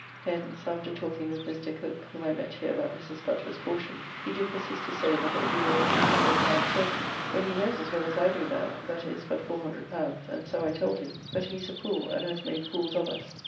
Hence (after talking with Mr. Cooke, whom I met here about Mrs. Butler's portion, he do persist to say that it will be worth L600 certain, when he knows as well as I do now that it is but L400, and so I told him, but he is a fool, and has made fools of us).